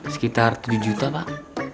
sekitar tujuh juta pak